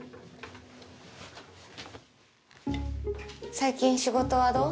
最近仕事はどう？